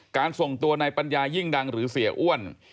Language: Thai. ส่งตัวในปัญญายิ่งดังหรือเสียอ้วน